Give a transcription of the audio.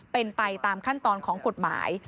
เป็นไปตามขั้นตอนของกฎหมาย